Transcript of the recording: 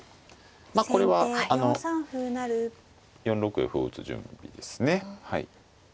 まあこれは４六へ歩を打つ準備ですね。